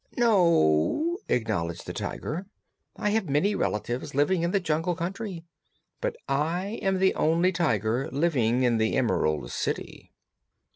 "No," acknowledged the Tiger, "I have many relatives living in the Jungle Country; but I am the only Tiger living in the Emerald City."